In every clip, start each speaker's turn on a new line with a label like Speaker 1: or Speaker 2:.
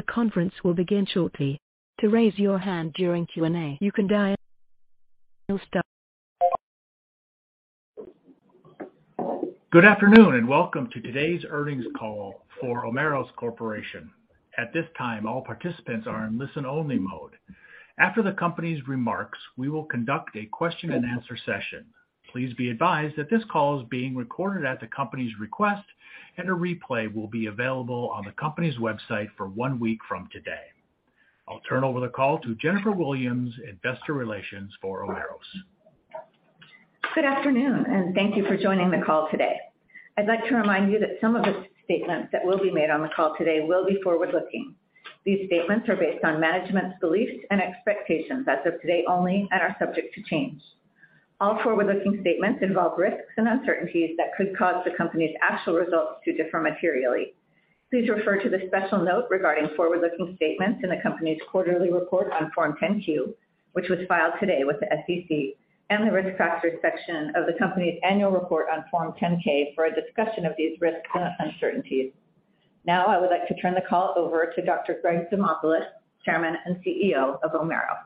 Speaker 1: The conference will begin shortly. To raise your hand during Q&A, you can dial star. Good afternoon, and welcome to today's earnings call for Omeros Corporation. At this time, all participants are in listen-only mode. After the company's remarks, we will conduct a question and answer session. Please be advised that this call is being recorded at the company's request, and a replay will be available on the company's website for one week from today. I'll turn over the call to Jennifer Williams, Investor Relations for Omeros.
Speaker 2: Good afternoon, and thank you for joining the call today. I'd like to remind you that some of the statements that will be made on the call today will be forward-looking. These statements are based on management's beliefs and expectations as of today only and are subject to change. All forward-looking statements involve risks and uncertainties that could cause the company's actual results to differ materially. Please refer to the special note regarding forward-looking statements in the company's quarterly report on Form 10-Q, which was filed today with the SEC, and the Risk Factors section of the company's annual report on Form 10-K for a discussion of these risks and uncertainties. Now, I would like to turn the call over to Dr. Greg Demopulos, Chairman and CEO of Omeros.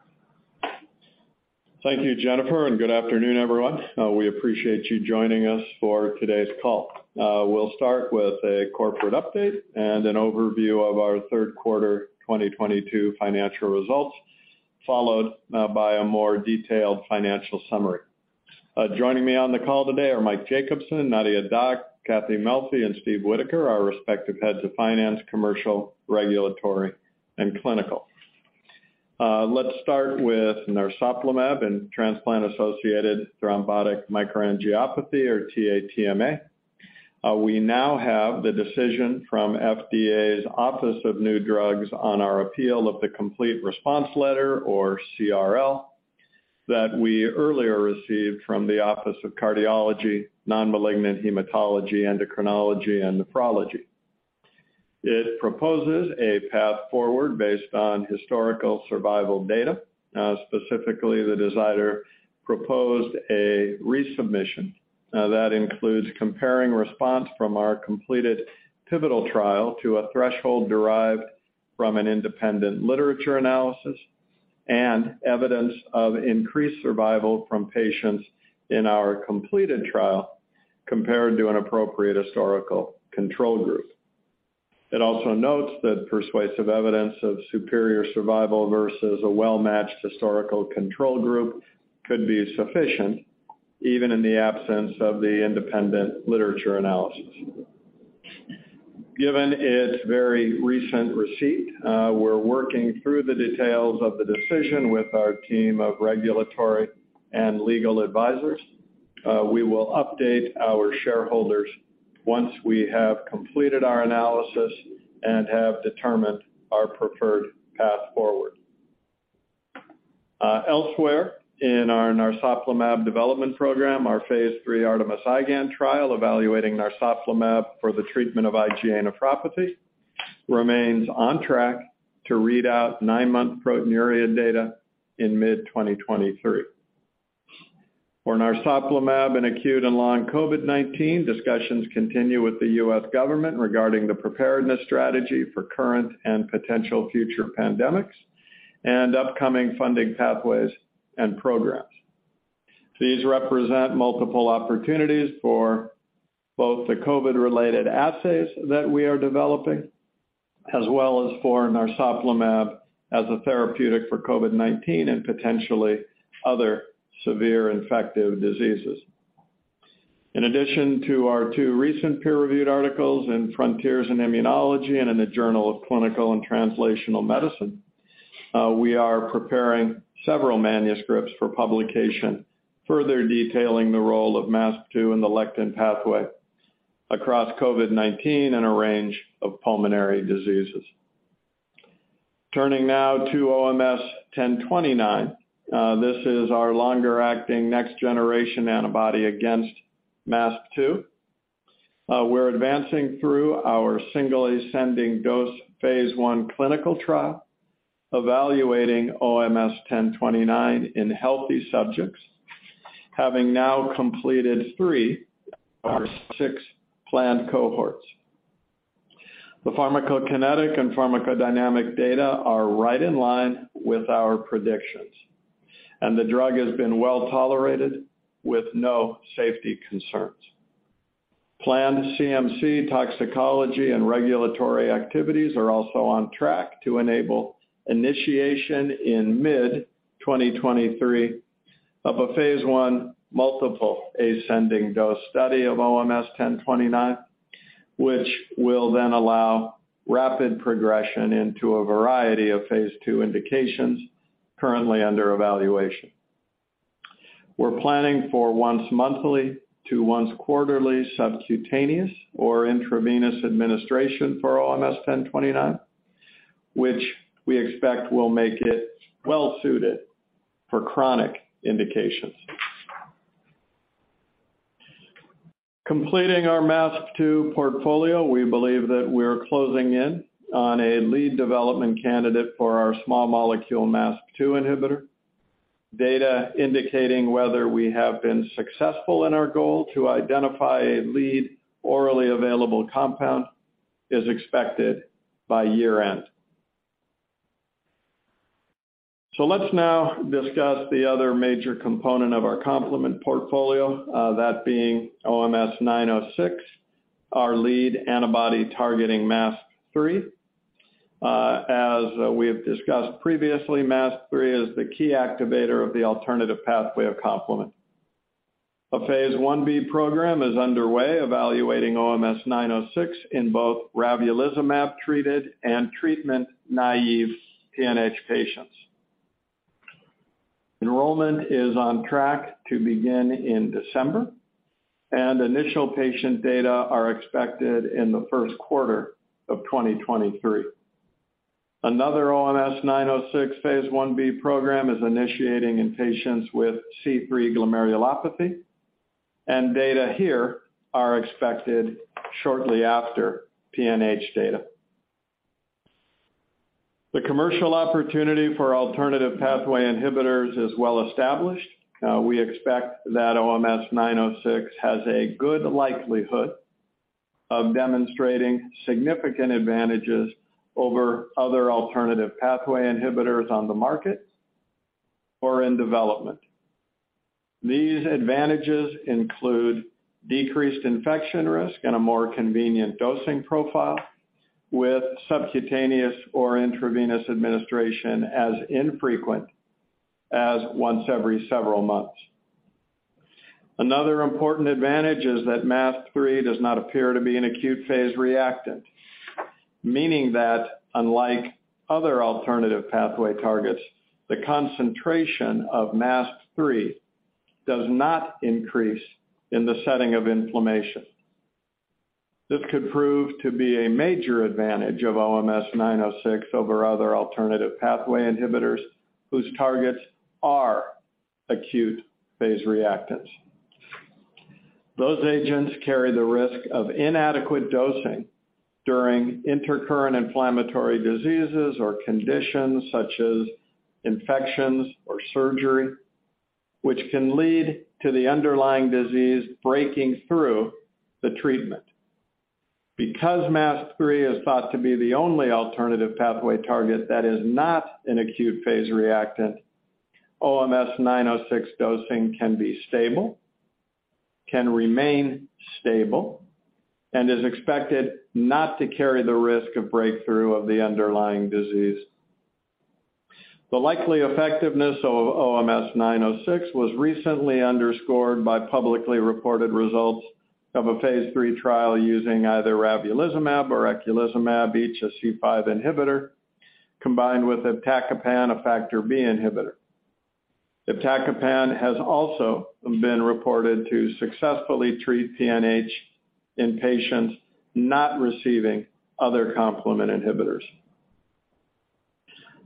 Speaker 3: Thank you, Jennifer, and good afternoon, everyone. We appreciate you joining us for today's call. We'll start with a corporate update and an overview of our Q3 2022 financial results, followed by a more detailed financial summary. Joining me on the call today are Mike Jacobson, Nadia Dac, Kathy Melfi, and Steve Whittaker, our respective heads of finance, commercial, regulatory, and clinical. Let's start with narsoplimab and transplant-associated thrombotic microangiopathy or TATMA. We now have the decision from FDA's Office of New Drugs on our appeal of the Complete Response Letter or CRL that we earlier received from the Office of Cardiology, Hematology, Endocrinology, and Nephrology. It proposes a path forward based on historical survival data. Specifically, the FDA proposed a resubmission that includes comparing response from our completed pivotal trial to a threshold derived from an independent literature analysis and evidence of increased survival from patients in our completed trial compared to an appropriate historical control group. It also notes that persuasive evidence of superior survival versus a well-matched historical control group could be sufficient, even in the absence of the independent literature analysis. Given its very recent receipt, we're working through the details of the decision with our team of regulatory and legal advisors. We will update our shareholders once we have completed our analysis and have determined our preferred path forward. Elsewhere in our narsoplimab development program, our phase three ARTEMIS-IGAN trial evaluating narsoplimab for the treatment of IgA nephropathy remains on track to read out nine-month proteinuria data in mid-2023. For narsoplimab in acute and long COVID-19, discussions continue with the U.S. government regarding the preparedness strategy for current and potential future pandemics and upcoming funding pathways and programs. These represent multiple opportunities for both the COVID-related assays that we are developing, as well as for narsoplimab as a therapeutic for COVID-19 and potentially other severe infective diseases. In addition to our two recent peer-reviewed articles in Frontiers in Immunology and in the Journal of Clinical and Translational Medicine, we are preparing several manuscripts for publication, further detailing the role of MASP-2 in the lectin pathway across COVID-19 and a range of pulmonary diseases. Turning now to OMS1029. This is our longer-acting next generation antibody against MASP-2. We're advancing through our single ascending-dose phase one clinical trial evaluating OMS1029 in healthy subjects, having now completed three of our six planned cohorts. The pharmacokinetic and pharmacodynamic data are right in line with our predictions, and the drug has been well-tolerated with no safety concerns. Planned CMC toxicology and regulatory activities are also on track to enable initiation in mid-2023 of a phase one multiple ascending dose study of OMS1029, which will then allow rapid progression into a variety of phase two indications currently under evaluation. We're planning for once monthly to once quarterly subcutaneous or intravenous administration for OMS1029, which we expect will make it well suited for chronic indications. Completing our MASP-2 portfolio, we believe that we are closing in on a lead development candidate for our small molecule MASP-2 inhibitor. Data indicating whether we have been successful in our goal to identify a lead orally available compound is expected by year-end. Let's now discuss the other major component of our complement portfolio, that being OMS-906, our lead antibody targeting MASP-3. As we have discussed previously, MASP-3 is the key activator of the alternative pathway of complement. A Phase 1b program is underway evaluating OMS-906 in both ravulizumab-treated and treatment-naive PNH patients. Enrollment is on track to begin in December, and initial patient data are expected in the Q1 of 2023. Another OMS-906 Phase 1b program is initiating in patients with C3 glomerulopathy, and data here are expected shortly after PNH data. The commercial opportunity for alternative pathway inhibitors is well established. We expect that OMS-906 has a good likelihood of demonstrating significant advantages over other alternative pathway inhibitors on the market or in development. These advantages include decreased infection risk and a more convenient dosing profile with subcutaneous or intravenous administration as infrequent as once every several months. Another important advantage is that MASP-3 does not appear to be an acute-phase reactant, meaning that unlike other alternative pathway targets, the concentration of MASP-3 does not increase in the setting of inflammation. This could prove to be a major advantage of OMS-906 over other alternative pathway inhibitors whose targets are acute-phase reactants. Those agents carry the risk of inadequate dosing during intercurrent inflammatory diseases or conditions such as infections or surgery, which can lead to the underlying disease breaking through the treatment. Because MASP-3 is thought to be the only alternative pathway target that is not an acute-phase reactant, OMS-906 dosing can be stable, can remain stable, and is expected not to carry the risk of breakthrough of the underlying disease. The likely effectiveness of OMS-906 was recently underscored by publicly reported results of a phase three trial using either ravulizumab or eculizumab, each a C5 inhibitor, combined with iptacopan, a factor B inhibitor. Iptacopan has also been reported to successfully treat PNH in patients not receiving other complement inhibitors.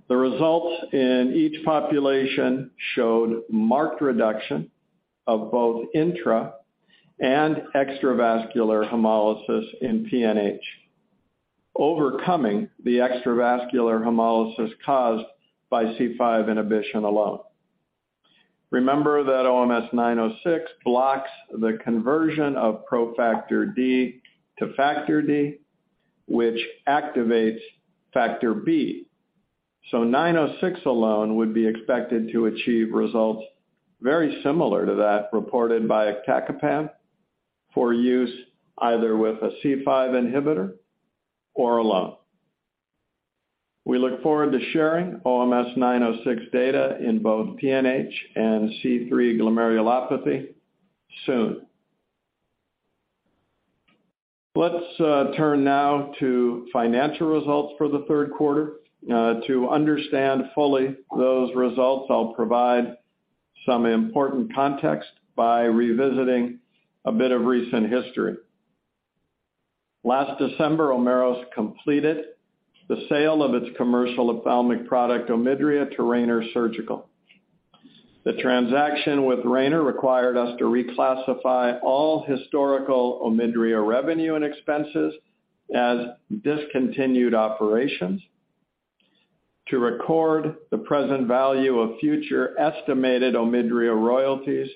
Speaker 3: The results in each population showed marked reduction of both intra and extravascular hemolysis in PNH, overcoming the extravascular hemolysis caused by C5 inhibition alone. Remember that OMS-906 blocks the conversion of pro-factor D to factor D, which activates factor B. 906 alone would be expected to achieve results very similar to that reported by iptacopan for use either with a C5 inhibitor or alone. We look forward to sharing OMS-906 data in both PNH and C3 glomerulopathy soon. Let's turn now to financial results for the Q3. To understand fully those results, I'll provide some important context by revisiting a bit of recent history. Last December, Omeros completed the sale of its commercial ophthalmic product, Omidria, to Rayner Surgical. The transaction with Rayner required us to reclassify all historical Omidria revenue and expenses as discontinued operations to record the present value of future estimated Omidria royalties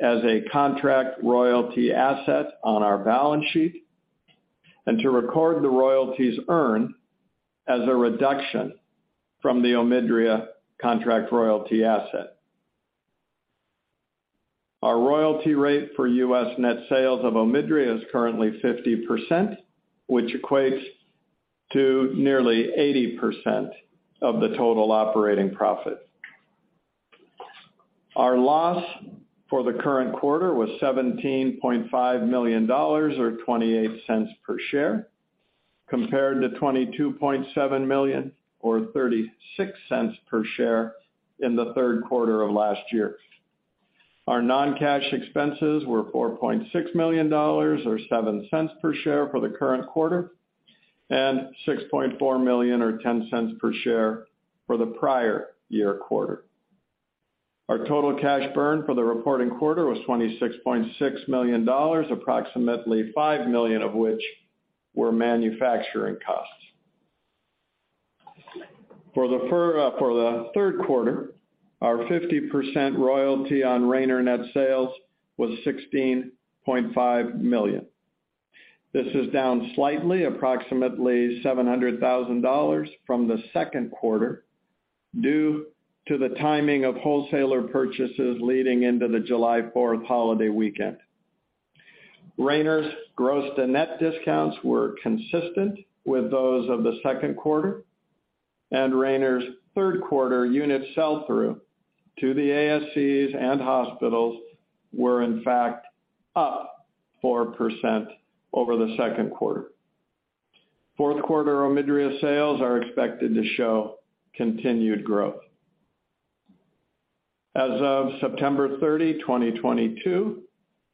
Speaker 3: as a contract royalty asset on our balance sheet and to record the royalties earned as a reduction from the Omidria contract royalty asset. Our royalty rate for U.S. net sales of Omidria is currently 50%, which equates to nearly 80% of the total operating profit. Our loss for the current quarter was $17.5 million or $0.28 per share, compared to $22.7 million or $0.36 per share in the Q3 of last year. Our non-cash expenses were $4.6 million or $0.07 per share for the current quarter and $6.4 million or $0.10 per share for the prior year quarter. Our total cash burn for the reporting quarter was $26.6 million, approximately $5 million of which were manufacturing costs. For the Q3, our 50% royalty on Rayner net sales was $16.5 million. This is down slightly, approximately $700,000 from the Q2 due to the timing of wholesaler purchases leading into the July Fourth holiday weekend. Rayner's gross to net discounts were consistent with those of the Q2, and Rayner's Q3 unit sell-through to the ASCs and hospitals were in fact up 4% over the Q2. Q4 Omidria sales are expected to show continued growth. As of September 30th, 2022,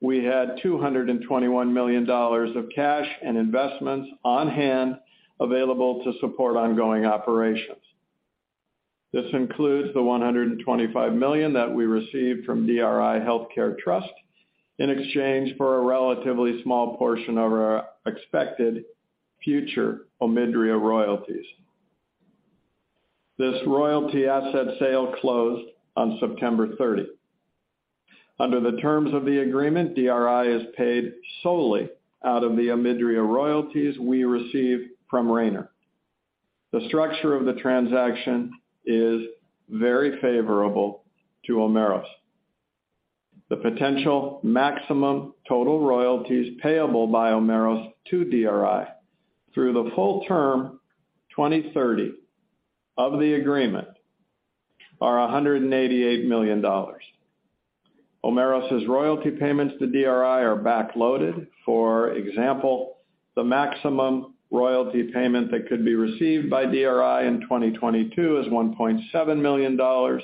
Speaker 3: we had $221 million of cash and investments on hand available to support ongoing operations. This includes the $125 million that we received from DRI Healthcare Trust in exchange for a relatively small portion of our expected future Omidria royalties. This royalty asset sale closed on September 30th. Under the terms of the agreement, DRI is paid solely out of the Omidria royalties we receive from Rayner. The structure of the transaction is very favorable to Omeros. The potential maximum total royalties payable by Omeros to DRI through the full term 2030 of the agreement are $188 million. Omeros' royalty payments to DRI are backloaded. For example, the maximum royalty payment that could be received by DRI in 2022 is $1.7 million,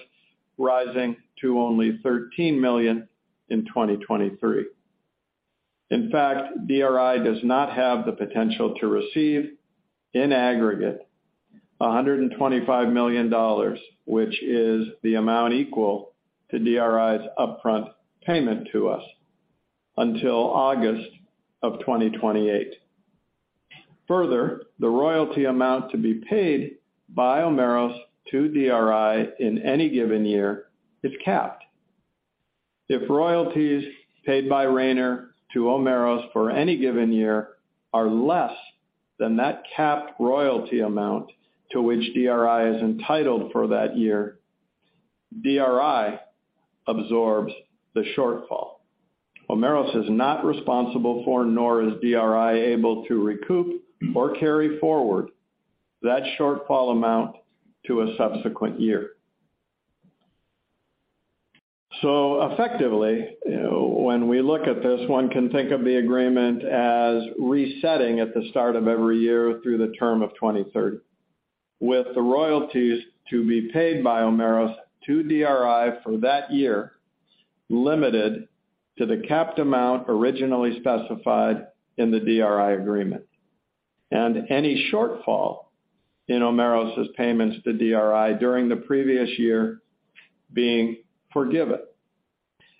Speaker 3: rising to only $13 million in 2023. In fact, DRI does not have the potential to receive, in aggregate, $125 million, which is the amount equal to DRI's upfront payment to us until August of 2028. Further, the royalty amount to be paid by Omeros to DRI in any given year is capped. If royalties paid by Rayner to Omeros for any given year are less than that capped royalty amount to which DRI is entitled for that year, DRI absorbs the shortfall. Omeros is not responsible for, nor is DRI able to recoup or carry forward that shortfall amount to a subsequent year. Effectively, you know, when we look at this, one can think of the agreement as resetting at the start of every year through the term of 2030, with the royalties to be paid by Omeros to DRI for that year limited to the capped amount originally specified in the DRI agreement. Any shortfall in Omeros' payments to DRI during the previous year being forgiven.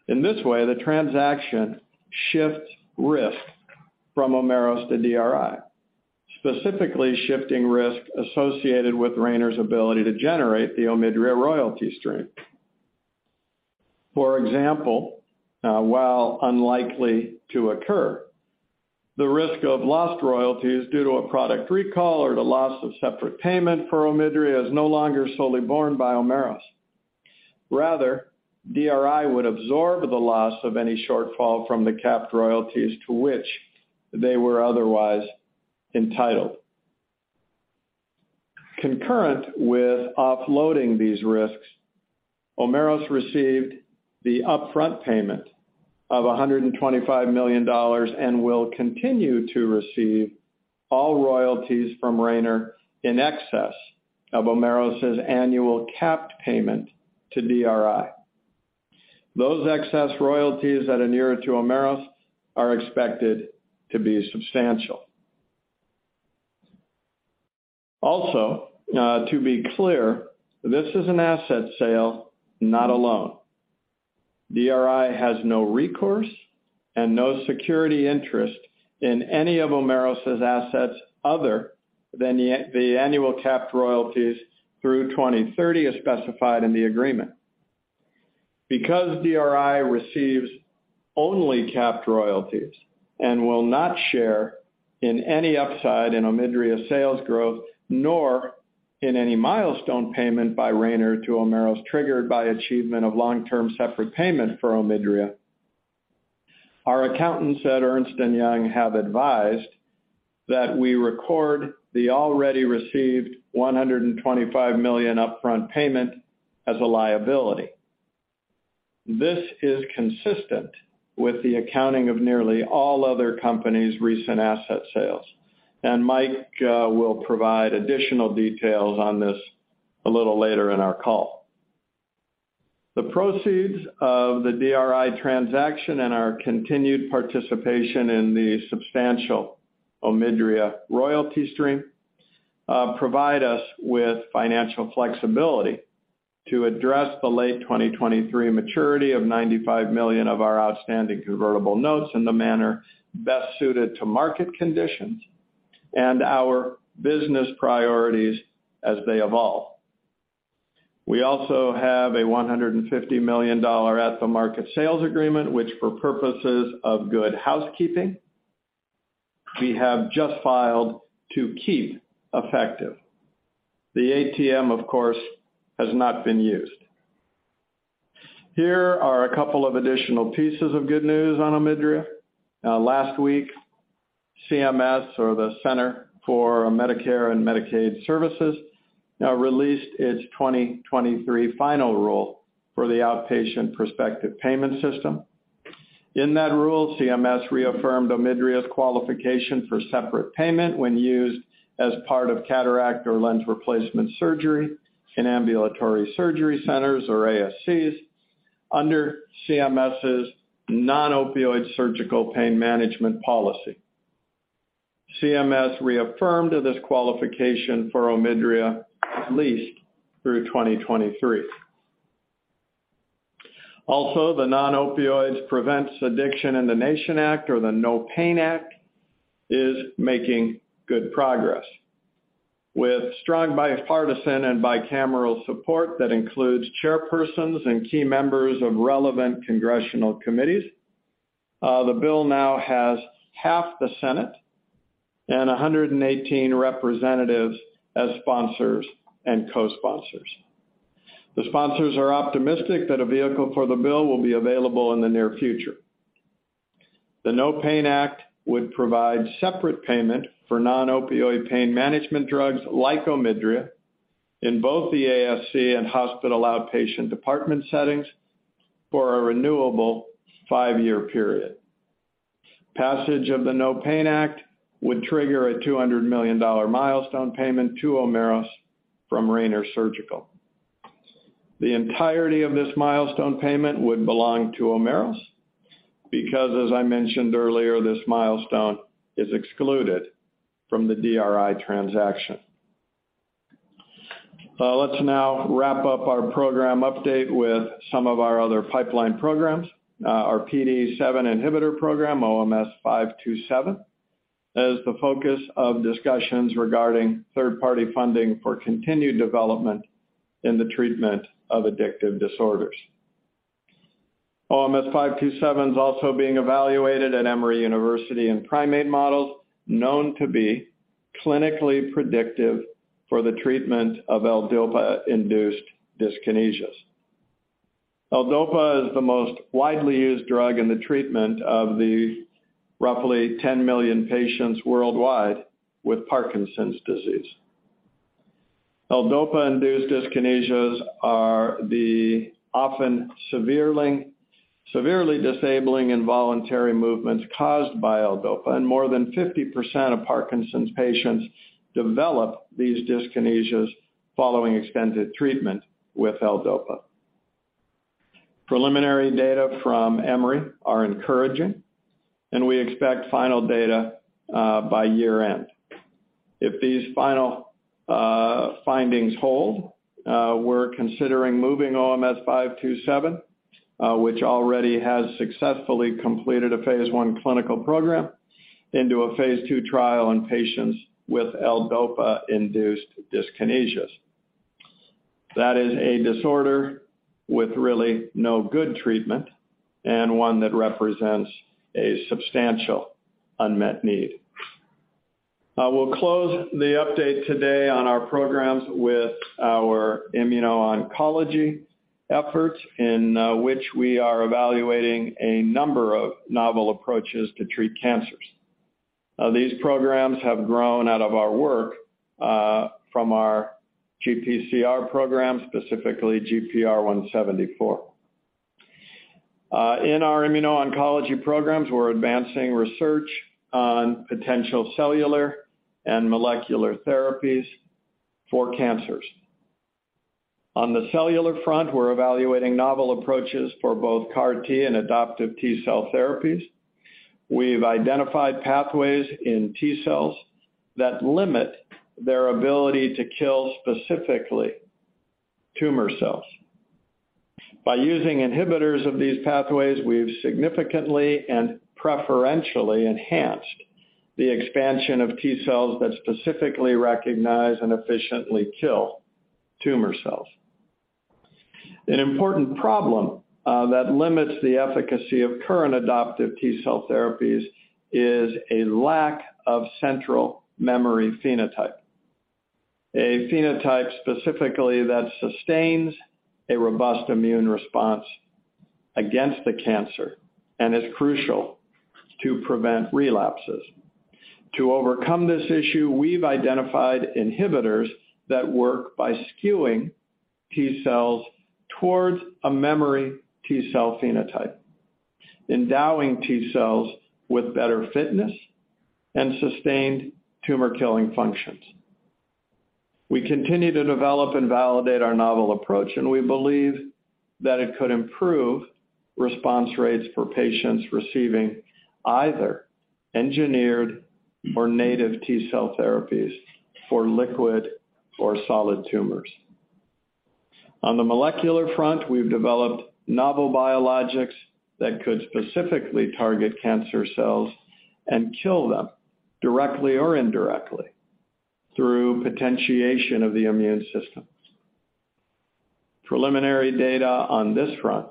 Speaker 3: In this way, the transaction shifts risk from Omeros to DRI, specifically shifting risk associated with Rayner's ability to generate the Omidria royalty stream. For example, while unlikely to occur, the risk of lost royalties due to a product recall or the loss of separate payment for Omidria is no longer solely borne by Omeros. Rather, DRI would absorb the loss of any shortfall from the capped royalties to which they were otherwise entitled. Concurrent with offloading these risks, Omeros received the upfront payment of $125 million and will continue to receive all royalties from Rayner in excess of Omeros' annual capped payment to DRI. Those excess royalties that adhere to Omeros are expected to be substantial. Also, to be clear, this is an asset sale, not a loan. DRI has no recourse and no security interest in any of Omeros' assets other than the annual capped royalties through 2030 as specified in the agreement. Because DRI receives only capped royalties and will not share in any upside in Omidria's sales growth, nor in any milestone payment by Rayner to Omeros triggered by achievement of long-term separate payment for Omidria, our accountants at Ernst & Young have advised that we record the already received $125 million upfront payment as a liability. This is consistent with the accounting of nearly all other companies' recent asset sales, and Mike will provide additional details on this a little later in our call. The proceeds of the DRI transaction and our continued participation in the substantial Omidria royalty stream provide us with financial flexibility to address the late 2023 maturity of $95 million of our outstanding convertible notes in the manner best suited to market conditions and our business priorities as they evolve. We also have a $150 million at-the-market sales agreement, which for purposes of good housekeeping, we have just filed to keep effective. The ATM, of course, has not been used. Here are a couple of additional pieces of good news on Omidria. Last week, CMS or the Centers for Medicare & Medicaid Services released its 2023 final rule for the Outpatient Prospective Payment System. In that rule, CMS reaffirmed Omidria's qualification for separate payment when used as part of cataract or lens replacement surgery in ambulatory surgery centers or ASCs under CMS's non-opioid surgical pain management policy. CMS reaffirmed this qualification for Omidria at least through 2023. Also, the Non-Opioids Prevent Addiction in the Nation Act or the NO PAIN Act is making good progress. With strong bipartisan and bicameral support that includes chairpersons and key members of relevant congressional committees, the bill now has half the Senate and 118 representatives as sponsors and cosponsors. The sponsors are optimistic that a vehicle for the bill will be available in the near future. The NO PAIN Act would provide separate payment for non-opioid pain management drugs like Omidria in both the ASC and hospital outpatient department settings for a renewable five-year period. Passage of the NO PAIN Act would trigger a $200 million milestone payment to Omeros from Rayner Surgical. The entirety of this milestone payment would belong to Omeros because, as I mentioned earlier, this milestone is excluded from the DRI transaction. Let's now wrap up our program update with some of our other pipeline programs. Our PDE7 inhibitor program, OMS527, is the focus of discussions regarding third-party funding for continued development in the treatment of addictive disorders. OMS527 is also being evaluated at Emory University in primate models known to be clinically predictive for the treatment of L-DOPA-induced dyskinesias. L-DOPA is the most widely used drug in the treatment of the roughly 10 million patients worldwide with Parkinson's disease. L-DOPA-induced dyskinesias are the often severely disabling involuntary movements caused by L-DOPA, and more than 50% of Parkinson's patients develop these dyskinesias following extended treatment with L-DOPA. Preliminary data from Emory are encouraging, and we expect final data by year-end. If these final findings hold, we're considering moving OMS527, which already has successfully completed a phase 1 clinical program into a phase two trial in patients with L-DOPA-induced dyskinesias. That is a disorder with really no good treatment and one that represents a substantial unmet need. We'll close the update today on our programs with our immuno-oncology efforts in which we are evaluating a number of novel approaches to treat cancers. These programs have grown out of our work from our GPCR program, specifically GPR174. In our immuno-oncology programs, we're advancing research on potential cellular and molecular therapies for cancers. On the cellular front, we're evaluating novel approaches for both CAR T and adoptive T-cell therapies. We've identified pathways in T-cells that limit their ability to kill specifically tumor cells. By using inhibitors of these pathways, we've significantly and preferentially enhanced the expansion of T-cells that specifically recognize and efficiently kill tumor cells. An important problem that limits the efficacy of current adoptive T-cell therapies is a lack of central memory phenotype. A phenotype specifically that sustains a robust immune response against the cancer and is crucial to prevent relapses. To overcome this issue, we've identified inhibitors that work by skewing T-cells towards a memory T-cell phenotype, endowing T-cells with better fitness and sustained tumor-killing functions. We continue to develop and validate our novel approach, and we believe that it could improve response rates for patients receiving either engineered or native T-cell therapies for liquid or solid tumors. On the molecular front, we've developed novel biologics that could specifically target cancer cells and kill them directly or indirectly through potentiation of the immune system. Preliminary data on this front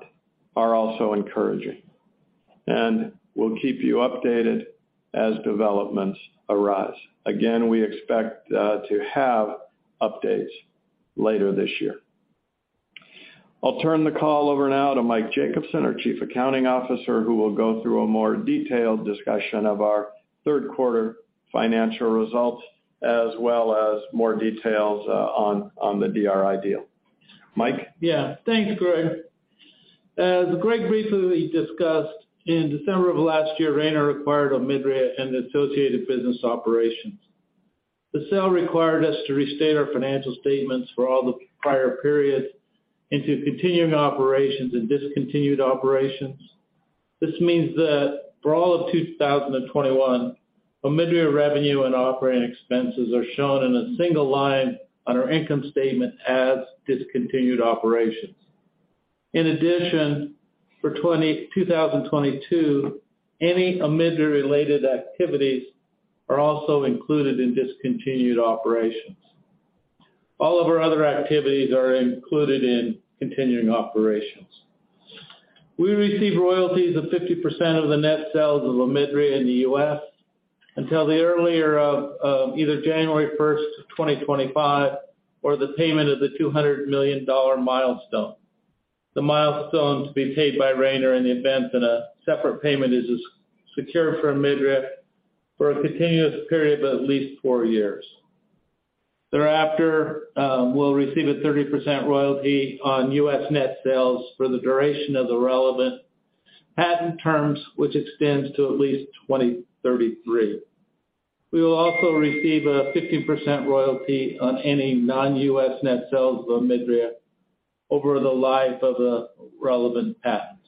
Speaker 3: are also encouraging, and we'll keep you updated as developments arise. Again, we expect to have updates later this year. I'll turn the call over now to Mike Jacobson, our Chief Accounting Officer, who will go through a more detailed discussion of our Q3 financial results as well as more details on the DRI deal. Mike?
Speaker 4: Yeah. Thanks, Greg. As Greg briefly discussed, in December of last year, Rayner acquired Omidria and associated business operations. The sale required us to restate our financial statements for all the prior periods into continuing operations and discontinued operations. This means that for all of 2021, Omidria revenue and operating expenses are shown in a single line on our income statement as discontinued operations. In addition, for 2022, any Omidria related activities are also included in discontinued operations. All of our other activities are included in continuing operations. We receive royalties of 50% of the net sales of Omidria in the US until the earlier of either January 1, 2025 or the payment of the $200 million milestone. The milestone to be paid by Rayner in the event that a separate payment is secure for Omidria for a continuous period of at least four years. Thereafter, we'll receive a 30% royalty on U.S. net sales for the duration of the relevant patent terms, which extends to at least 2033. We will also receive a 15% royalty on any non-U.S. net sales of Omidria over the life of the relevant patents.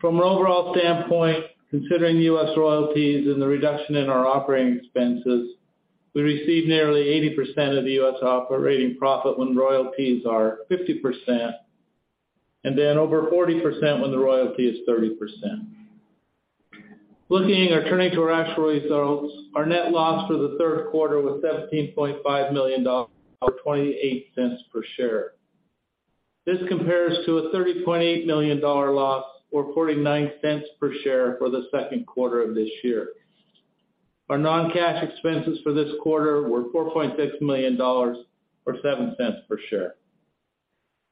Speaker 4: From an overall standpoint, considering U.S. royalties and the reduction in our operating expenses, we receive nearly 80% of the U.S. operating profit when royalties are 50%, and then over 40% when the royalty is 30%. Turning to our actual results, our net loss for the Q3 was $17.5 million or $0.28 per share. This compares to a $30.8 million loss or $0.49 per share for the Q2 of this year. Our non-cash expenses for this quarter were $4.6 million or $0.07 per share.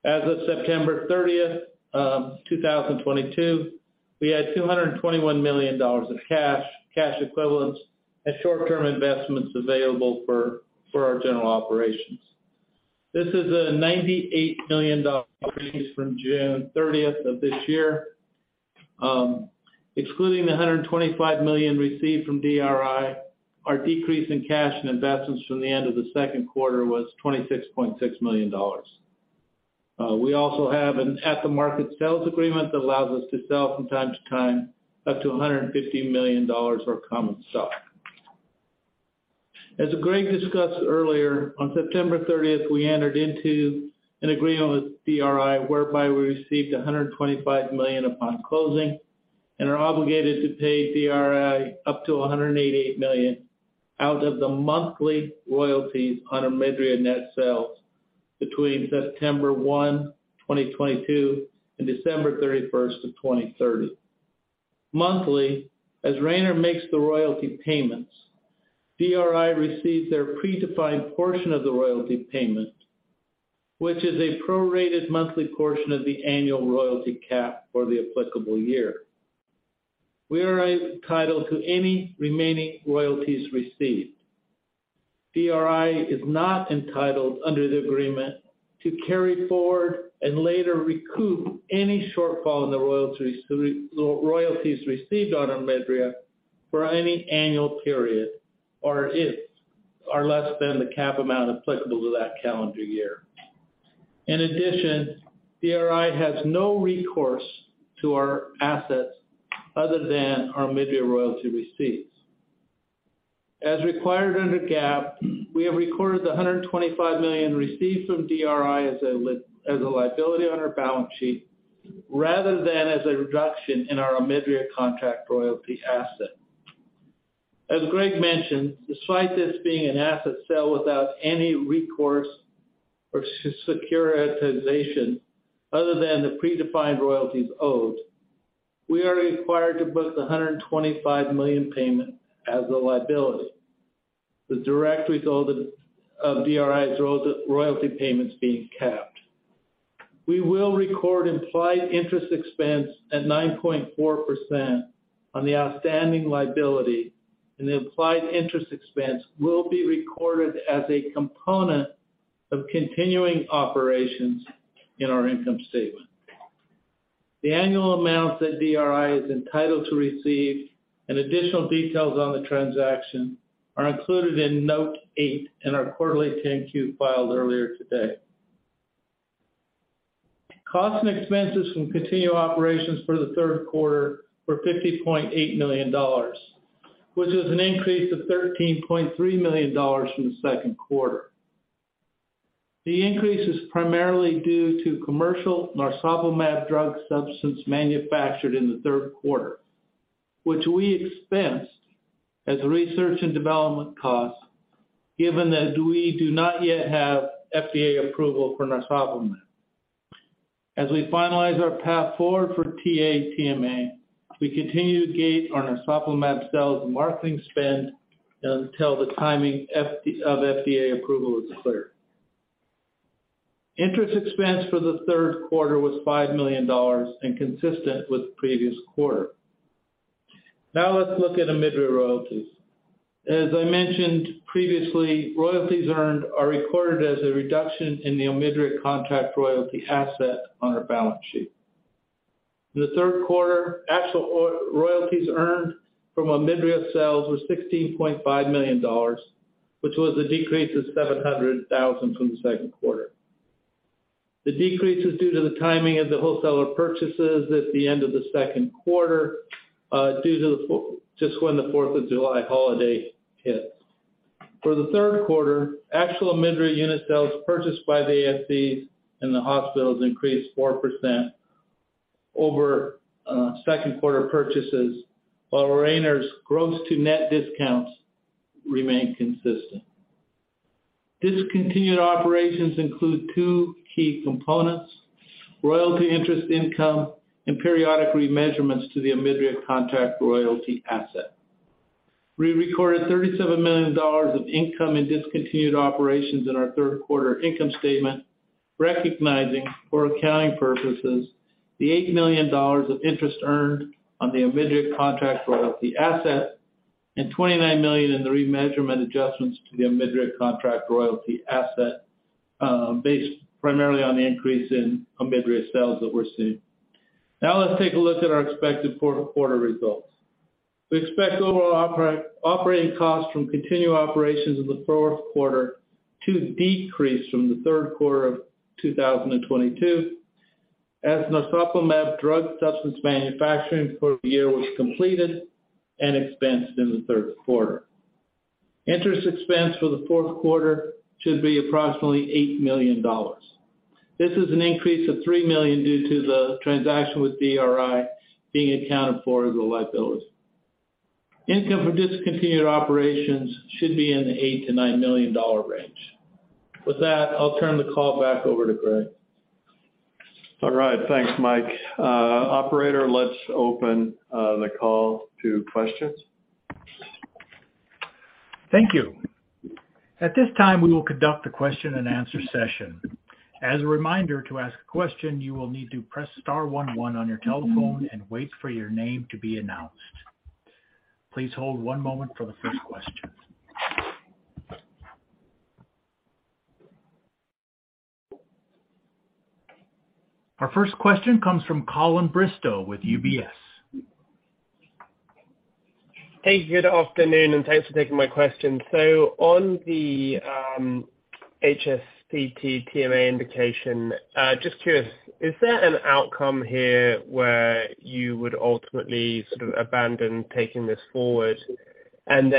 Speaker 4: As of September thirtieth, 2022, we had $221 million in cash equivalents, and short-term investments available for our general operations. This is a $98 million increase from June thirtieth of this year. Excluding the $125 million received from DRI, our decrease in cash and investments from the end of the Q2 was $26.6 million. We also have an at-the-market sales agreement that allows us to sell from time to time up to $150 million of common stock. As Greg discussed earlier, on September 30th, we entered into an agreement with DRI whereby we received $125 million upon closing and are obligated to pay DRI up to $188 million out of the monthly royalties on Omidria net sales between September 1st, 2022 and December 31st, 2030. Monthly, as Rayner makes the royalty payments, DRI receives their predefined portion of the royalty payment, which is a prorated monthly portion of the annual royalty cap for the applicable year. We are entitled to any remaining royalties received. DRI is not entitled under the agreement to carry forward and later recoup any shortfall in the royalties received on Omidria for any annual period, or if they are less than the cap amount applicable to that calendar year. In addition, DRI has no recourse to our assets other than our Omidria royalty receipts. As required under GAAP, we have recorded the $125 million received from DRI as a liability on our balance sheet rather than as a reduction in our Omidria contract royalty asset. As Greg mentioned, despite this being an asset sale without any recourse or securitization other than the predefined royalties owed, we are required to book the $125 million payment as a liability, the direct result of DRI's royalty payments being capped. We will record implied interest expense at 9.4% on the outstanding liability, and the implied interest expense will be recorded as a component of continuing operations in our income statement. The annual amounts that DRI is entitled to receive and additional details on the transaction are included in Note 8 in our quarterly 10-Q filed earlier today. Costs and expenses from continued operations for the Q3 were $50.8 million, which is an increase of $13.3 million from the Q2. The increase is primarily due to commercial narsoplimab drug substance manufactured in the Q3, which we expensed as research and development costs, given that we do not yet have FDA approval for narsoplimab. As we finalize our path forward for TA-TMA, we continue to gauge our narsoplimab sales and marketing spend until the timing of FDA approval is clear. Interest expense for the Q3 was $5 million and consistent with the previous quarter. Now let's look at Omidria royalties. As I mentioned previously, royalties earned are recorded as a reduction in the Omidria contract royalty asset on our balance sheet. In the Q3, actual royalties earned from Omidria sales were $16.5 million, which was a decrease of $700,000 from the Q2. The decrease is due to the timing of the wholesaler purchases at the end of the Q2, due to just when the Fourth of July holiday hit. For the Q3, actual Omidria unit sales purchased by the ASCs and the hospitals increased 4% over Q2 purchases, while Rayner's gross to net discounts remained consistent. Discontinued operations include two key components, royalty interest income and periodic remeasurements to the Omidria contract royalty asset. We recorded $37 million of income in discontinued operations in our Q3 income statement, recognizing for accounting purposes the $8 million of interest earned on the Omidria contract royalty asset and $29 million in the remeasurement adjustments to the Omidria contract royalty asset, based primarily on the increase in Omidria sales that we're seeing. Now let's take a look at our expected Q4 results. We expect overall operating costs from continued operations in the Q4 to decrease from the Q3 of 2022 as narsoplimab drug substance manufacturing for the year was completed and expensed in the Q3. Interest expense for the Q4 should be approximately $8 million. This is an increase of $3 million due to the transaction with DRI being accounted for as a liability. Income from discontinued operations should be in the $8 -$9 million range. With that, I'll turn the call back over to Greg.
Speaker 3: All right. Thanks, Mike. Operator, let's open the call to questions.
Speaker 1: Thank you. At this time, we will conduct a question-and-answer session. As a reminder, to ask a question, you will need to press star one, one on your telephone and wait for your name to be announced. Please hold one moment for the first question. Our first question comes from Colin Bristow with UBS.
Speaker 5: Hey, good afternoon, and thanks for taking my question. On the TA-TMA indication, just curious, is there an outcome here where you would ultimately sort of abandon taking this forward? In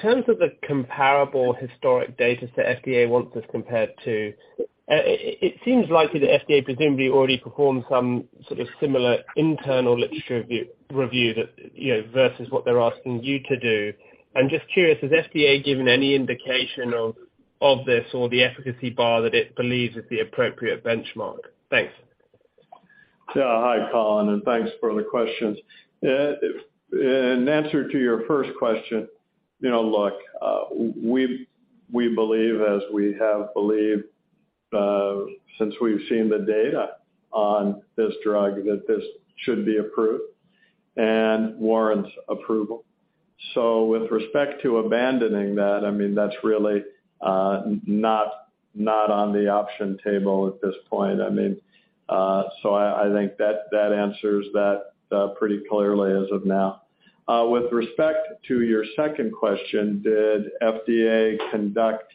Speaker 5: terms of the comparable historic data set FDA wants us compared to, it seems likely the FDA presumably already performed some sort of similar internal literature review that, you know, versus what they're asking you to do. I'm just curious, has FDA given any indication of this or the efficacy bar that it believes is the appropriate benchmark? Thanks.
Speaker 3: Hi, Colin, and thanks for the questions. In answer to your first question, you know, look, we've, we believe as we have believed since we've seen the data on this drug, that this should be approved and warrants approval. With respect to abandoning that, I mean, that's really not on the option table at this point. I mean, so I think that answers that pretty clearly as of now. With respect to your second question, did FDA conduct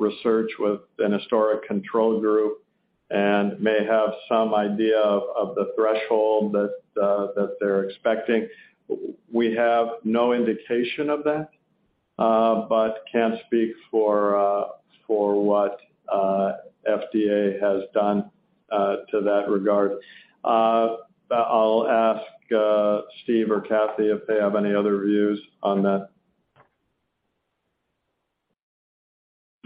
Speaker 3: research with an historic control group and may have some idea of the threshold that they're expecting? We have no indication of that, but can't speak for what FDA has done to that regard. I'll ask Steve or Cathy if they have any other views on that.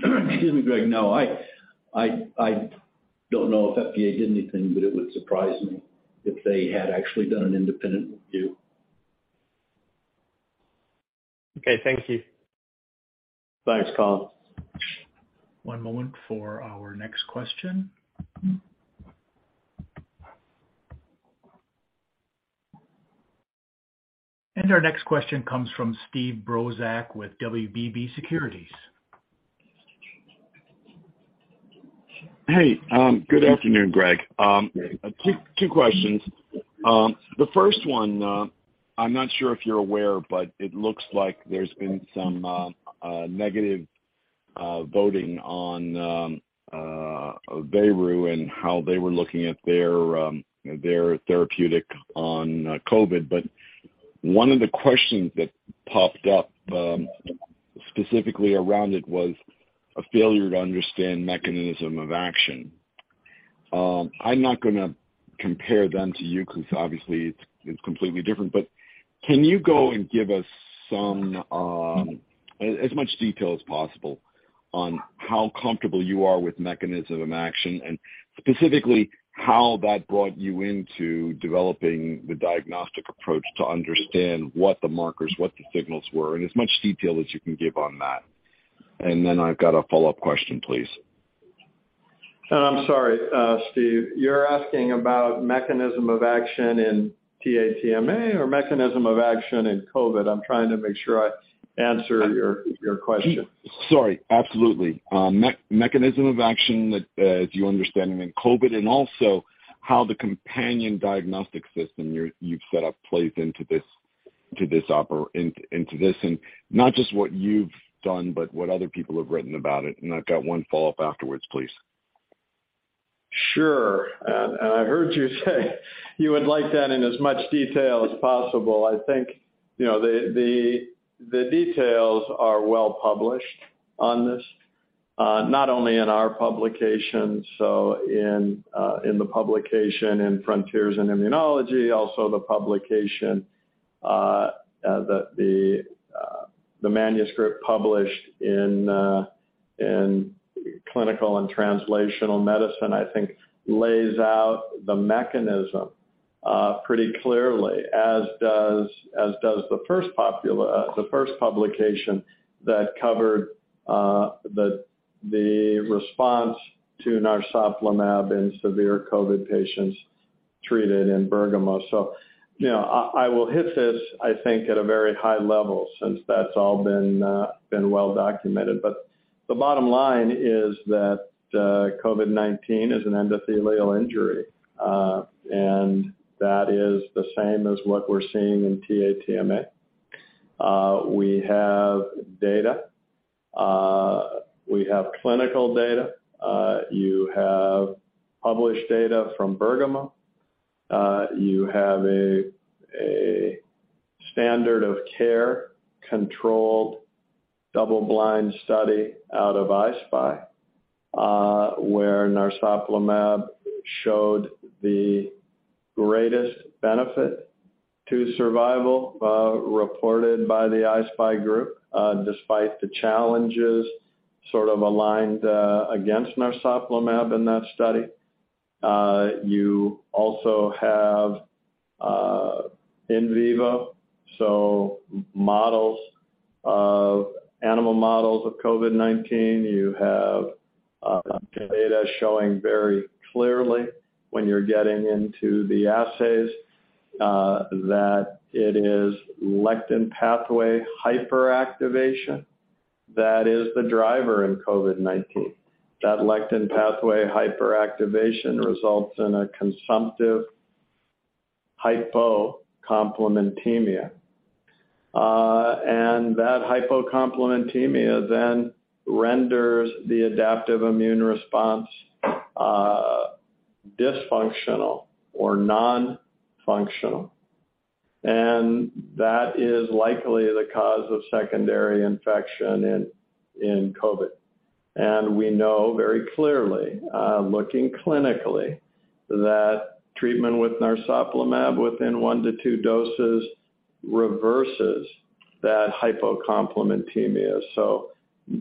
Speaker 6: Excuse me, Greg. No, I don't know if FDA did anything, but it would surprise me if they had actually done an independent review.
Speaker 5: Okay. Thank you.
Speaker 3: Thanks, Colin.
Speaker 1: One moment for our next question. Our next question comes from Steve Brozak with WBB Securities.
Speaker 7: Hey, good afternoon, Greg. Two questions. The first one, I'm not sure if you're aware, but it looks like there's been some negative voting on Veru and how they were looking at their therapeutic on COVID. One of the questions that popped up, specifically around it was a failure to understand mechanism of action. I'm not gonna compare them to you because obviously it's completely different, but can you go and give us as much detail as possible on how comfortable you are with mechanism of action, and specifically how that brought you into developing the diagnostic approach to understand what the markers, what the signals were, and as much detail as you can give on that. Then I've got a follow-up question, please.
Speaker 3: I'm sorry, Steve. You're asking about mechanism of action in TA-TMA or mechanism of action in COVID? I'm trying to make sure I answer your question.
Speaker 7: Sorry. Absolutely. Mechanism of action that, as you understand it in COVID, and also how the companion diagnostic system you've set up plays into this. Not just what you've done, but what other people have written about it. I've got one follow-up afterwards, please.
Speaker 3: Sure. I heard you say you would like that in as much detail as possible. I think, you know, the details are well published on this, not only in our publication, in the publication in Frontiers in Immunology, also the manuscript published in Clinical and Translational Medicine, I think lays out the mechanism pretty clearly, as does the first publication that covered the response to narsoplimab in severe COVID patients treated in Bergamo. You know, I will hit this, I think, at a very high level since that's all been well documented. The bottom line is that COVID-19 is an endothelial injury, and that is the same as what we're seeing in TA-TMA. We have data. We have clinical data. You have published data from Bergamo. You have a standard of care controlled double blind study out of I-SPY, where narsoplimab showed the greatest benefit to survival, reported by the I-SPY group, despite the challenges sort of aligned against narsoplimab in that study. You also have in vivo animal models of COVID-19. You have data showing very clearly when you're getting into the assays, that it is lectin pathway hyperactivation that is the driver in COVID-19. That lectin pathway hyperactivation results in a consumptive hypocomplementemia. That hypocomplementemia then renders the adaptive immune response dysfunctional or non-functional, and that is likely the cause of secondary infection in COVID. We know very clearly, looking clinically that treatment with narsoplimab within one to two doses reverses that hypocomplementemia, so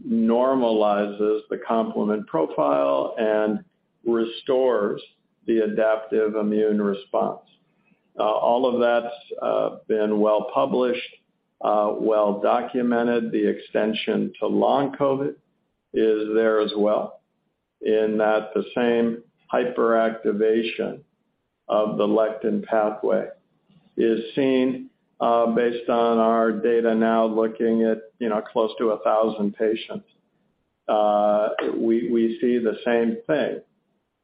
Speaker 3: normalizes the complement profile and restores the adaptive immune response. All of that's been well published, well documented. The extension to long COVID is there as well in that the same hyperactivation of the lectin pathway is seen, based on our data now looking at, you know, close to 1,000 patients. We see the same thing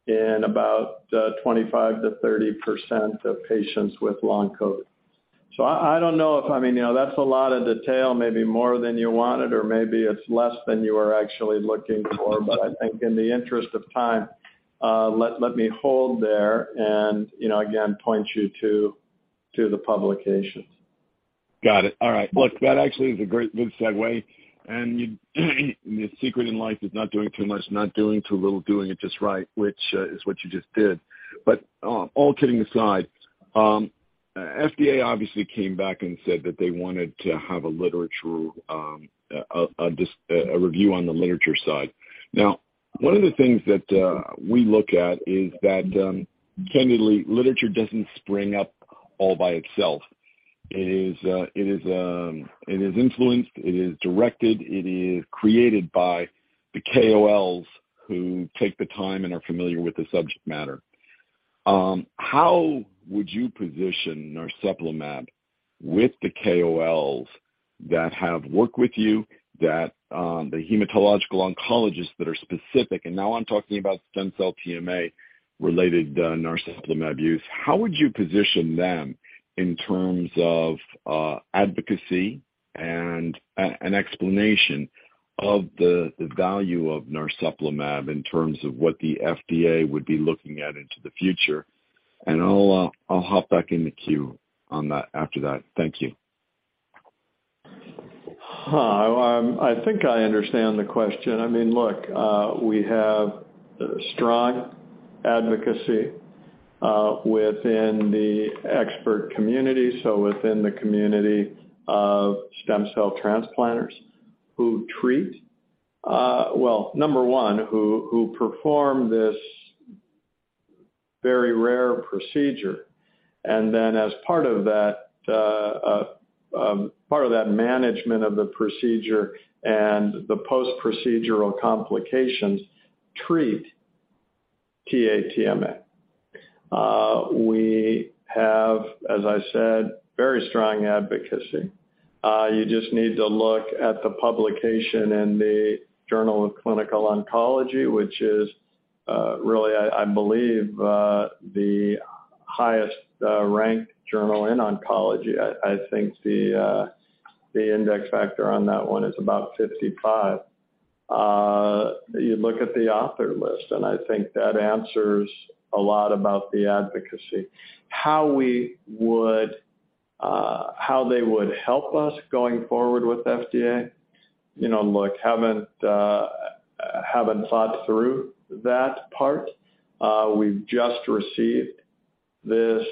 Speaker 3: in about 25%-30% of patients with long COVID. I don't know if, I mean, you know, that's a lot of detail, maybe more than you wanted or maybe it's less than you were actually looking for. I think in the interest of time, let me hold there and, you know, again, point you to the publications.
Speaker 7: Got it. All right. Look, that actually is a good segue. You know the secret in life is not doing too much, not doing too little, doing it just right, which is what you just did. All kidding aside, FDA obviously came back and said that they wanted to have a literature review on the literature side. Now, one of the things that we look at is that, candidly, literature doesn't spring up all by itself. It is influenced, directed, created by the KOLs who take the time and are familiar with the subject matter. How would you position narsoplimab with the KOLs that have worked with you that the hematologic oncologists that are specific, and now I'm talking about stem cell TA-TMA-related narsoplimab use. How would you position them in terms of advocacy and an explanation of the value of narsoplimab in terms of what the FDA would be looking at into the future? I'll hop back in the queue on that after that. Thank you.
Speaker 3: I think I understand the question. I mean, look, we have strong advocacy within the expert community, so within the community of stem cell transplanters who treat. Well, number one, who perform this very rare procedure, and then as part of that, part of that management of the procedure and the post-procedural complications treat TA-TMA. We have, as I said, very strong advocacy. You just need to look at the publication in the Journal of Clinical Oncology, which is really, I believe, the highest ranked journal in oncology. I think the impact factor on that one is about 55. You look at the author list, and I think that answers a lot about the advocacy. How they would help us going forward with FDA? You know, look, haven't thought through that part. We've just received this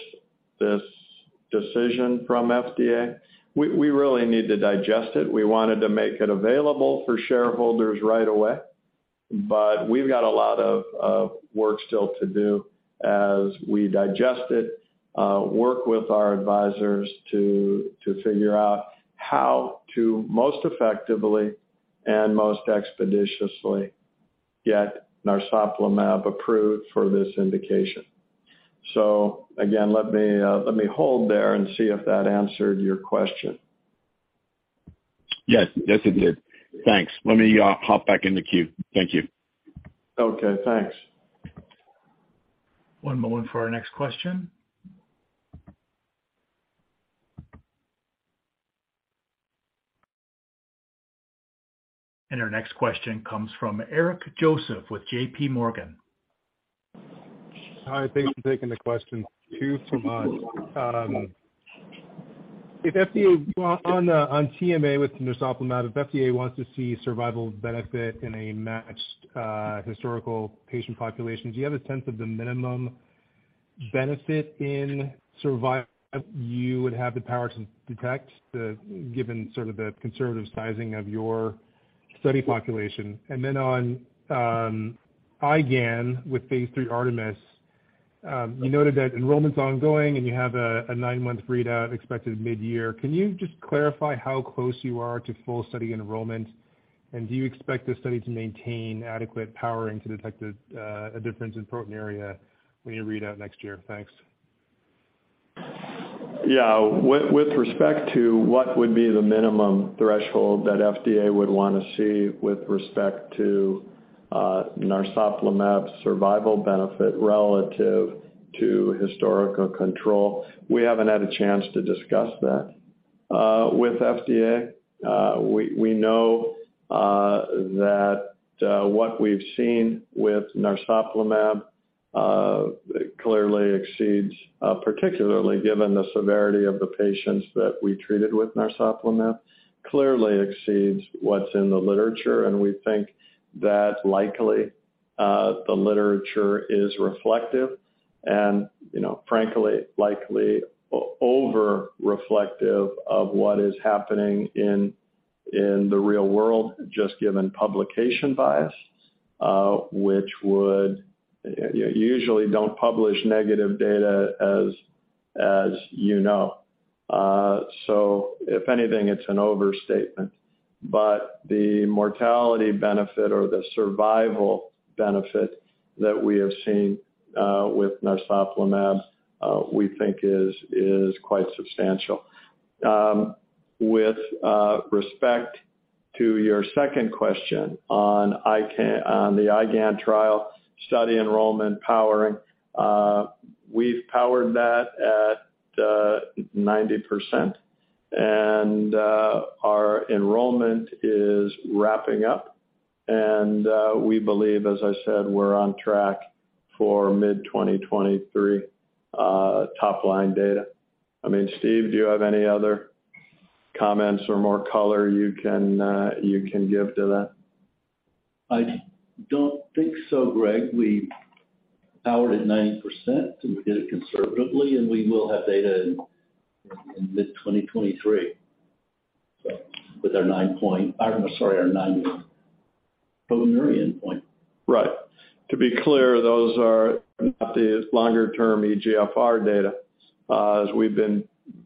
Speaker 3: decision from FDA. We really need to digest it. We wanted to make it available for shareholders right away, but we've got a lot of work still to do as we digest it, work with our advisors to figure out how to most effectively and most expeditiously get narsoplimab approved for this indication. Again, let me hold there and see if that answered your question.
Speaker 7: Yes. Yes, it did. Thanks. Let me hop back in the queue. Thank you.
Speaker 3: Okay, thanks.
Speaker 1: One moment for our next question. Our next question comes from Eric Joseph with JP Morgan.
Speaker 8: Hi, thank you for taking the question. Two from us. If FDA wants to see survival benefit in a matched historical patient population, do you have a sense of the minimum benefit in survival you would have the power to detect, given sort of the conservative sizing of your study population? Then on IGAN with phase three ARTEMIS, you noted that enrollment's ongoing, and you have a nine-month readout expected mid-year. Can you just clarify how close you are to full study enrollment? Do you expect this study to maintain adequate powering to detect a difference in proteinuria when you read out next year? Thanks.
Speaker 3: Yeah. With respect to what would be the minimum threshold that FDA would want to see with respect to narsoplimab survival benefit relative to historical control, we haven't had a chance to discuss that with FDA. We know that what we've seen with narsoplimab clearly exceeds, particularly given the severity of the patients that we treated with narsoplimab, clearly exceeds what's in the literature. We think that likely the literature is reflective and, you know, frankly, likely over reflective of what is happening in the real world, just given publication bias, usually don't publish negative data, as you know. If anything, it's an overstatement. The mortality benefit or the survival benefit that we have seen with narsoplimab, we think is quite substantial. With respect to your second question on the IGAN trial study enrollment powering, we've powered that at 90%, and our enrollment is wrapping up. We believe, as I said, we're on track for mid-2023 top-line data. I mean, Steve, do you have any other comments or more color you can give to that?
Speaker 6: I don't think so, Greg. We powered at 90%, and we did it conservatively, and we will have data in mid-2023. With our 24-hour proteinuria endpoint.
Speaker 3: Right. To be clear, those are not the longer-term eGFR data, as we've been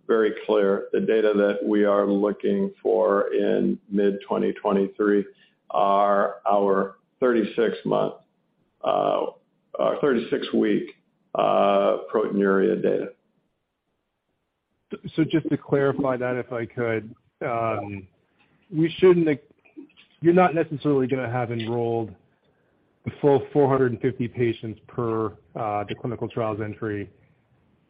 Speaker 3: very clear. The data that we are looking for in mid-2023 are our 36-month or 36-week proteinuria data.
Speaker 8: Just to clarify that, if I could, you're not necessarily gonna have enrolled the full 450 patients per the clinical trials entry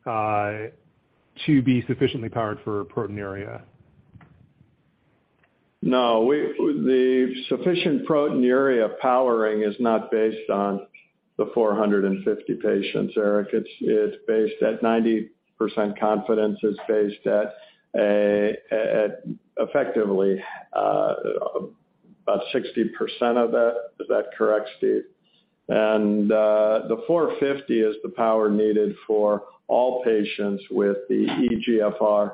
Speaker 8: to be sufficiently powered for proteinuria?
Speaker 3: No. The sufficient proteinuria powering is not based on the 450 patients, Eric. It's based at 90% confidence. It's based at effectively about 60% of that. Is that correct, Steve? The 450 is the power needed for all patients with the eGFR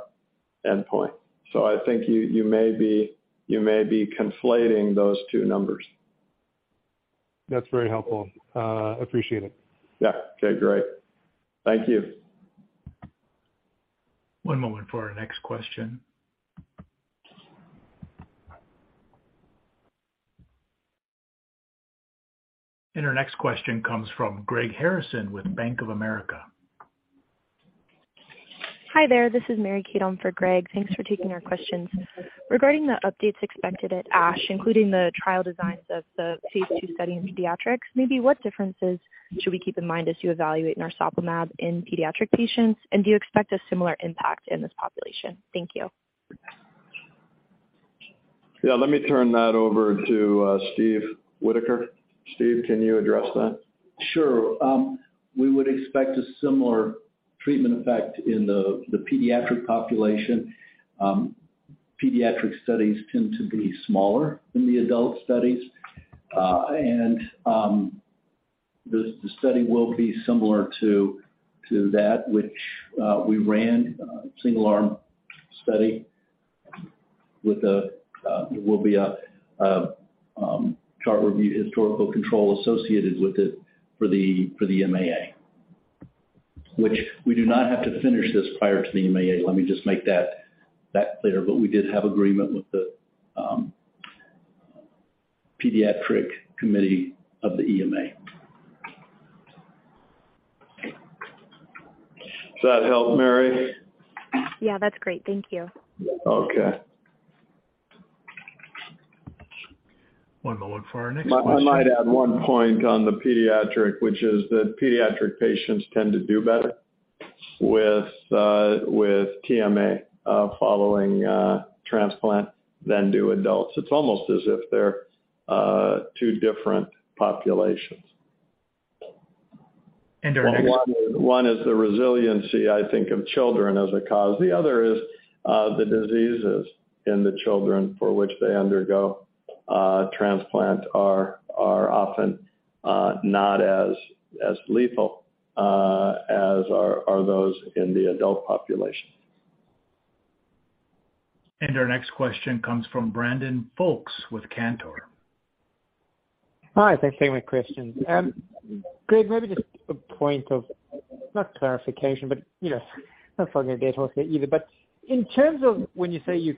Speaker 3: endpoint. I think you may be conflating those two numbers.
Speaker 8: That's very helpful. Appreciate it.
Speaker 3: Yeah. Okay, great. Thank you.
Speaker 1: One moment for our next question. Our next question comes from Greg Harrison with Bank of America.
Speaker 9: Hi there. This is Mary Kate on for Greg. Thanks for taking our questions. Regarding the updates expected at ASH, including the trial designs of the phase two study in pediatrics, maybe what differences should we keep in mind as you evaluate narsoplimab in pediatric patients? Do you expect a similar impact in this population? Thank you.
Speaker 3: Yeah. Let me turn that over to Steven Whitaker. Steve, can you address that?
Speaker 6: Sure. We would expect a similar treatment effect in the pediatric population. Pediatric studies tend to be smaller than the adult studies. The study will be similar to that which we ran. A single-arm study with a chart review historical control associated with it for the MAA. Which we do not have to finish this prior to the MAA. Let me just make that clear. We did have agreement with the pediatric committee of the EMA.
Speaker 3: Does that help, Mary?
Speaker 9: Yeah, that's great. Thank you.
Speaker 3: Okay.
Speaker 1: One moment for our next question.
Speaker 3: I might add one point on the pediatric, which is that pediatric patients tend to do better with TMA following transplant than do adults. It's almost as if they're two different populations.
Speaker 1: Our next
Speaker 3: One is the resiliency, I think, of children as a cause. The other is the diseases in the children for which they undergo transplant are often not as lethal as are those in the adult population.
Speaker 1: Our next question comes from Brandon Folkes with Cantor Fitzgerald.
Speaker 10: Hi, thanks for taking my questions. Greg, maybe just a point of, not clarification, but, you know, not get off it either. In terms of when you say you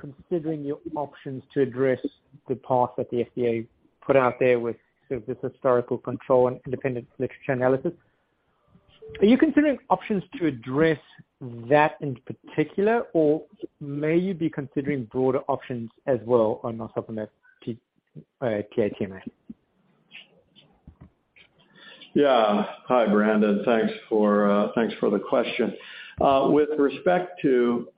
Speaker 10: considering your options to address the path that the FDA put out there with sort of this historical control and independent literature analysis, are you considering options to address that in particular, or may you be considering broader options as well on narsoplimab TA-TMA?
Speaker 3: Yeah. Hi, Brandon. Thanks for the question. With respect to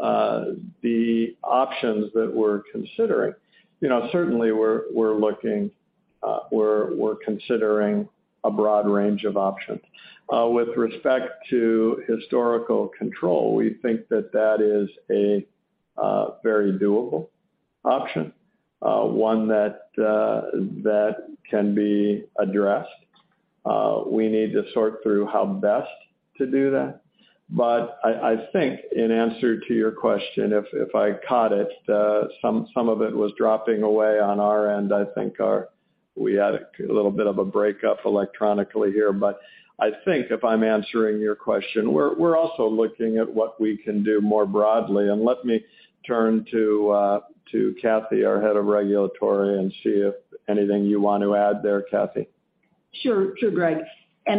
Speaker 3: the options that we're considering, you know, certainly we're looking, we're considering a broad range of options. With respect to historical control, we think that is a very doable option, one that can be addressed. We need to sort through how best to do that. I think in answer to your question, if I caught it, some of it was dropping away on our end. I think. We had a little bit of a breakup electronically here. I think if I'm answering your question, we're also looking at what we can do more broadly. Let me turn to Kathy, our head of regulatory, and see if anything you want to add there, Kathy?
Speaker 11: Sure, Greg. As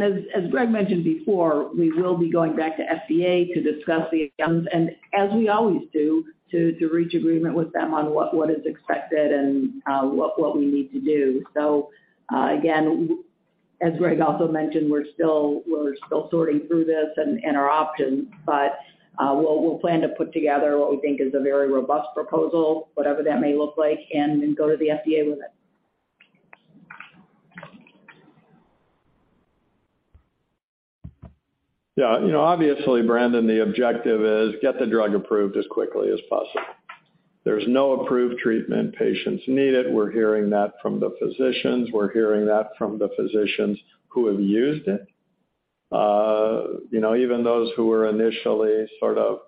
Speaker 11: Greg mentioned before, we will be going back to FDA to discuss the outcomes, and as we always do, to reach agreement with them on what is expected and what we need to do. As Greg also mentioned, we're still sorting through this and our options, but we'll plan to put together what we think is a very robust proposal, whatever that may look like, and then go to the FDA with it.
Speaker 3: Yeah. You know, obviously, Brandon, the objective is get the drug approved as quickly as possible. There's no approved treatment. Patients need it. We're hearing that from the physicians who have used it. You know, even those who were initially sort of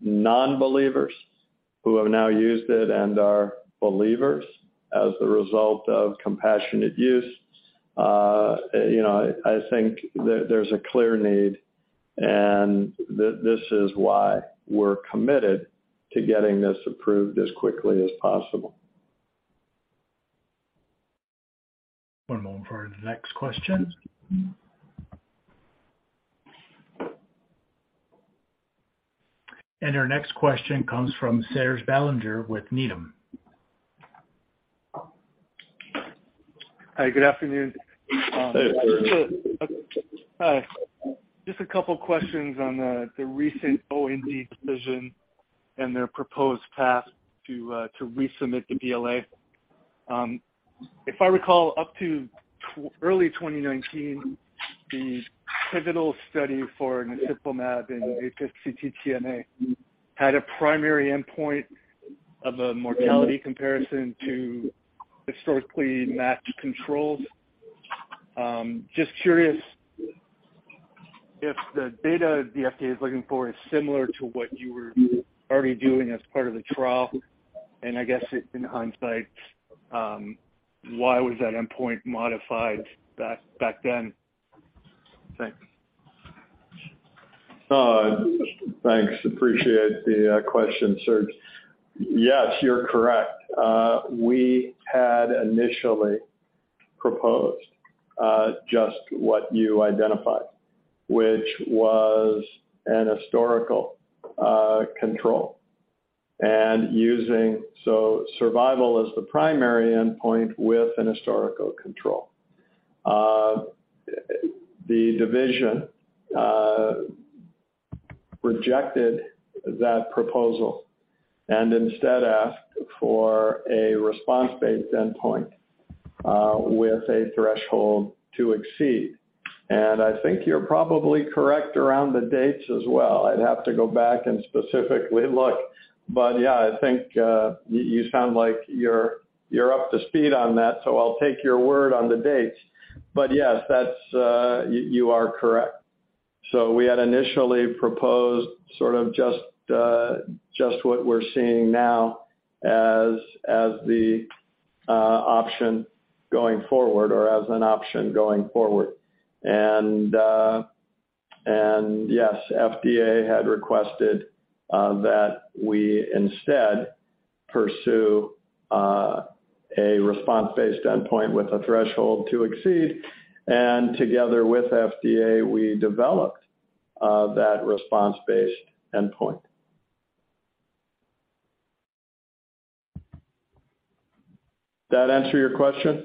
Speaker 3: non-believers who have now used it and are believers as a result of compassionate use. I think there's a clear need, and this is why we're committed to getting this approved as quickly as possible.
Speaker 1: One moment for our next question. Our next question comes from Serge Belanger with Needham.
Speaker 12: Hi, good afternoon.
Speaker 3: Hey, Serge.
Speaker 12: Hi. Just a couple questions on the recent OND decision and their proposed path to resubmit the BLA. If I recall, up to early 2019, the pivotal study for narsoplimab in TA-TMA had a primary endpoint of a mortality comparison to historically matched controls. Just curious if the data the FDA is looking for is similar to what you were already doing as part of the trial. I guess in hindsight, why was that endpoint modified back then? Thanks.
Speaker 3: Thanks. Appreciate the question, Serge. Yes, you're correct. We had initially proposed just what you identified, which was an historical control. Using survival as the primary endpoint with an historical control. The division rejected that proposal and instead asked for a response-based endpoint with a threshold to exceed. I think you're probably correct around the dates as well. I'd have to go back and specifically look, but yeah, I think you sound like you're up to speed on that, so I'll take your word on the dates. Yes, that's you are correct. We had initially proposed sort of just what we're seeing now as the option going forward or as an option going forward. Yes, FDA had requested that we instead pursue a response-based endpoint with a threshold to exceed. Together with FDA, we developed that response-based endpoint. That answer your question?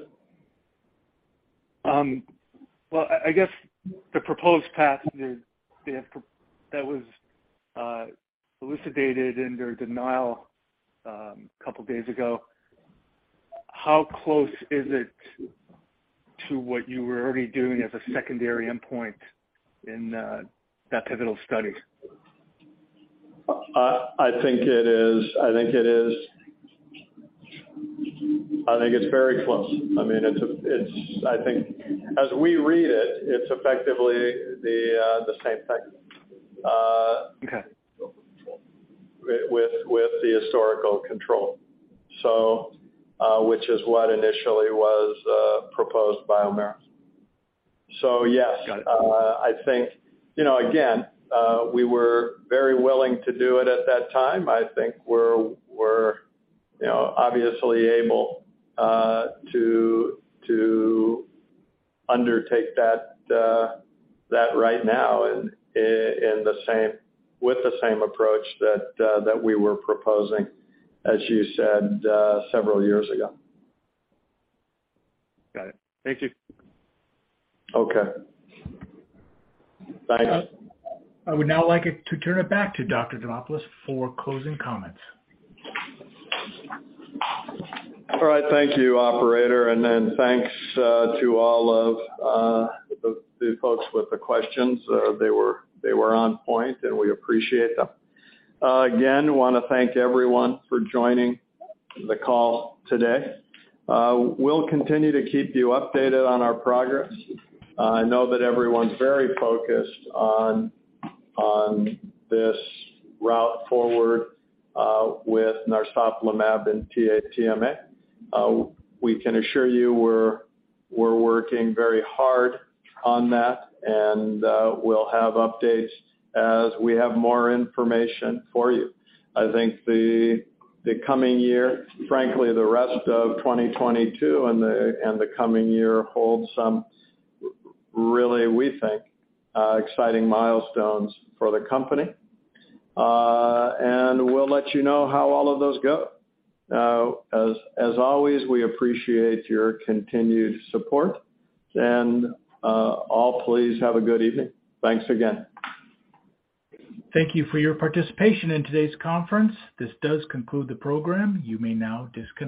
Speaker 12: Well, I guess the proposed path they have that was elucidated in their denial a couple days ago. How close is it to what you were already doing as a secondary endpoint in that pivotal study?
Speaker 3: I think it is. I think it's very close. I mean, it's, I think as we read it's effectively the same thing.
Speaker 12: Okay.
Speaker 3: With the historical control. Which is what initially was proposed by Omeros. Yes.
Speaker 12: Got it.
Speaker 3: I think, you know, again, we were very willing to do it at that time. I think we're, you know, obviously able to undertake that right now with the same approach that we were proposing, as you said, several years ago.
Speaker 12: Got it. Thank you.
Speaker 3: Okay. Bye.
Speaker 1: I would now like to turn it back to Dr. Demopulos for closing comments.
Speaker 3: All right. Thank you, operator. Thanks to all of the folks with the questions. They were on point, and we appreciate them. Again, want to thank everyone for joining the call today. We'll continue to keep you updated on our progress. I know that everyone's very focused on this route forward with narsoplimab and TA-TMA. We can assure you we're working very hard on that, and we'll have updates as we have more information for you. I think the coming year, frankly, the rest of 2022 and the coming year holds some really, we think, exciting milestones for the company. We'll let you know how all of those go. As always, we appreciate your continued support. All please have a good evening. Thanks again.
Speaker 1: Thank you for your participation in today's conference. This does conclude the program. You may now disconnect.